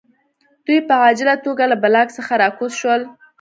دوی په عاجله توګه له بلاک څخه راکوز شول